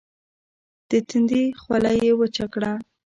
د تندي خوله يې وچه کړه.